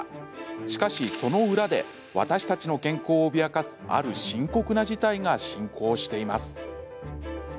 しかし、その裏で私たちの健康を脅かすある深刻な事態が進行しています。